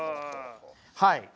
はい。